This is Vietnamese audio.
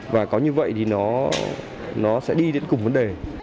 và có như vậy thì nó sẽ đi đến cùng vấn đề